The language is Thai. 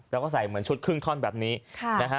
แล้วก็ใส่เหมือนชุดครึ่งท่อนแบบนี้นะฮะ